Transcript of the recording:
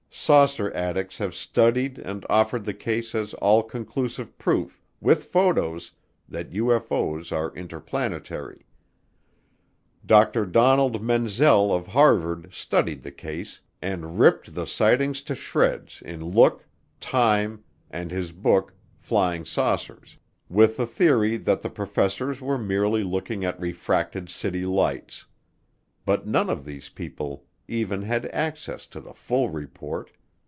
Saucer addicts have studied and offered the case as all conclusive proof, with photos, that UFO's are interplanetary. Dr. Donald Menzel of Harvard studied the case and ripped the sightings to shreds in Look, Time, and his book, Flying Saucers, with the theory that the professors were merely looking at refracted city lights. But none of these people even had access to the full report.